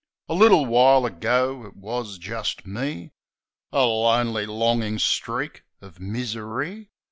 A little while ago it was jist "me" — A lonely, longin' streak o' misery.